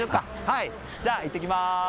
じゃあ、いってきます！